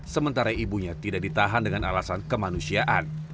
sementara ibunya tidak ditahan dengan alasan kemanusiaan